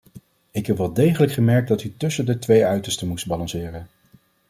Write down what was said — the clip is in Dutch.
Ik heb wel degelijk gemerkt dat u tussen de twee uitersten moest balanceren.